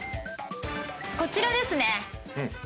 こちらですね。